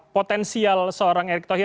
potensial seorang erick thohir